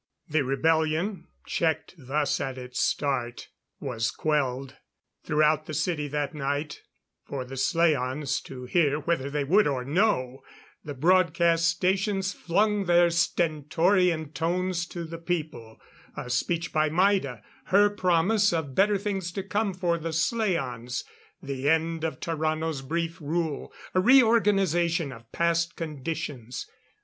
The rebellion, checked thus at its start, was quelled. Throughout the city that night for the slaans to hear whether they would or no the broadcast stations flung their stentorian tones to the people; a speech by Maida; her promise of better things to come for the slaans; the end of Tarrano's brief rule; a reorganization of past conditions.